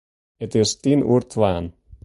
It is tsien oer twaen.